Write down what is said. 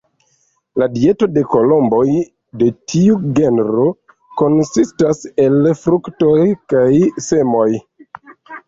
La dieto de kolomboj de tiu genro konsistas el fruktoj kaj semoj.